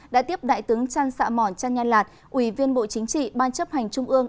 đã tiếp đại tướng trăn xạ mòn trăn nha lạt ủy viên bộ chính trị ban chấp hành trung ương